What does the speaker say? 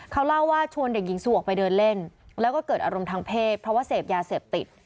เขาเล่าว่าชวนเด็กหญิงสู่ออกไปเดินเล่นแล้วก็เกิดอารมณ์ทางเพศเพราะว่าเสพยาเสพติด